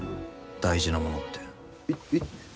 大事なものって。